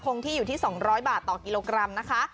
คงที่อยู่ที่๒๐๐บาทต่อกิโลกรัมนะคะ